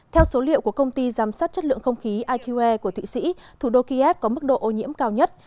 theo số liệu của công ty giám sát chất lượng không khí iqe của thụy sĩ thủ đô kiev có mức độ ô nhiễm cao nhất